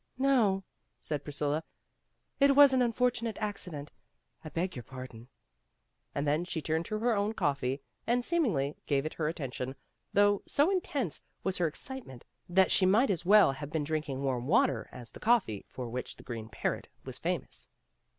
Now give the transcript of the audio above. "No," said Priscilla. "It was an un fortunate accident. I beg your pardon." And then she turned to her own coffee, and seemingly gave it her attention, though so in tense was her excitement that she might as well have been drinking warm water as the coffee for which the Green Parrot was famous.